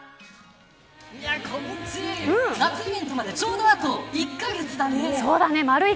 コムっち、夏イベントまでちょうどあと１カ月だね。